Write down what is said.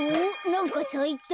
なんかさいた。